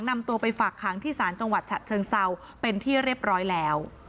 นำตัวไปฝากขังที่ศาลจังหวัดฉะเชิงเซาเป็นที่เรียบร้อยแล้ว